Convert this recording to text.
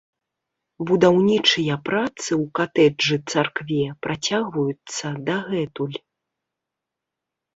Будаўнічыя працы ў катэджы-царкве працягваюцца дагэтуль.